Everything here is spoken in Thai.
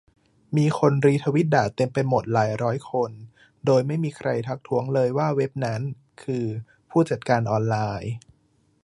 มีคนรีทวิตด่าเต็มไปหมดหลายร้อยคน โดยไม่มีใครทักท้วงเลยว่าเว็บนั้น คือ ผู้จัดการออนไลน์